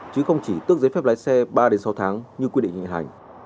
chứ không chỉ tước giấy phép lái xe ba sáu tháng như quy định hiện hành